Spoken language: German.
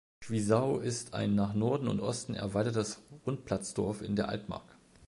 Schwiesau ist ein nach Norden und Osten erweitertes Rundplatzdorf in der Altmark.